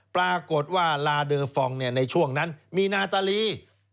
ปรากฏว่าลาเดอร์ฟองในช่วงนั้นมีนาตาลี